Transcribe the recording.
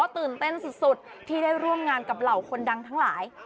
ตื่นเต้นสุดที่ได้ร่วมงานกับเหล่าคนดังทั้งหลาย